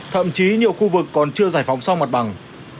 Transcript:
thậm chí nhiều khu vực còn chưa giải phóng xong mặt bằng